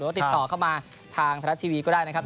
ติดต่อเข้ามาทางไทยรัฐทีวีก็ได้นะครับ